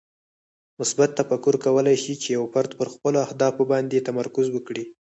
مثبت تفکر کولی شي چې یو فرد پر خپلو اهدافو باندې تمرکز وکړي.